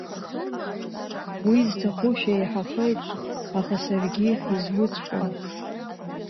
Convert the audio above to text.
Уи зҭаху шәеиҳахеит, аха саргьы изуҵәҟьом.